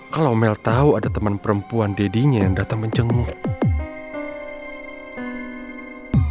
kalau mel tau ada teman perempuan deddy nya yang datang mencenguk